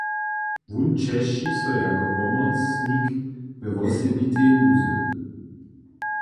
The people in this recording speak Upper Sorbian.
Wón česći so jako pomocnik we wosebitej nuzy.